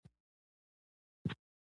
مډرنو حکومتونو د پیدایښت سبب شوي.